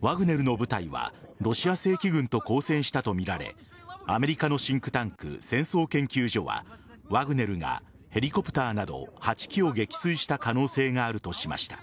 ワグネルの部隊はロシア正規軍と交戦したとみられアメリカのシンクタンク戦争研究所はワグネルがヘリコプターなど８機を撃墜した可能性があるとしました。